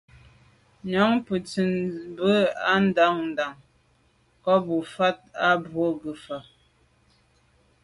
Nyòóŋ bə̀ntcìn bə́ á ndàá ndàŋ ká bù fâ’ o bù gə́ fà’.